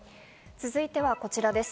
続いてはこちらです。